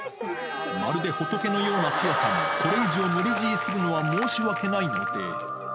まるで仏のようなチアさんに、これ以上無理強いするのは申し訳ないので。